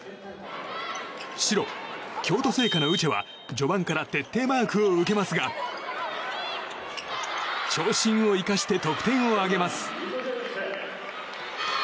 白、京都精華のウチェは序盤から徹底マークを受けますが長身を生かして得点を挙げます。